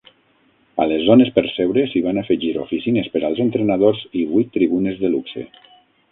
A les zones per seure s'hi van afegir oficines per als entrenadors i vuit tribunes de luxe.